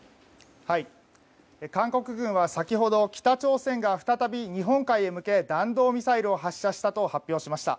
韓国軍は先ほど、北朝鮮が再び日本海へ向け弾道ミサイルを発射したと発表しました。